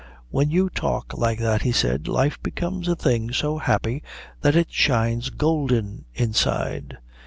"When you talk like that," he said, "life becomes a thing so happy that it shines golden inside.